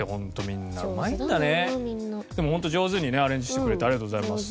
でも本当上手にねアレンジしてくれてありがとうございます。